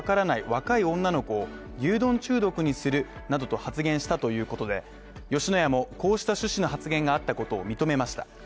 若い女の子を牛丼中毒にするなどと発言したということで吉野家もこうした趣旨の発言があったことを認めました。